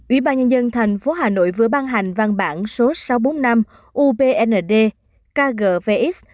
ủy ban nhân dân thành phố hà nội vừa ban hành văn bản số sáu trăm bốn mươi năm ubnd kgvx